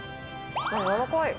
やわらかい。